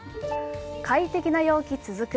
快適な陽気続く。